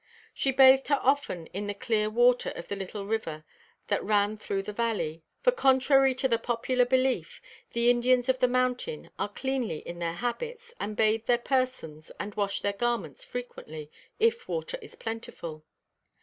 She bathed her often, in the clear water of the little river that ran through the valley; for, contrary to the popular belief, the Indians of the mountain are cleanly in their habits, and bathe their persons and wash their garments frequently, if water is plentiful.